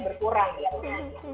berkurang jadi jawaban saya